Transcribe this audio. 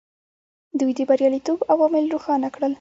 دوی د بریالیتوب عوامل روښانه کړل.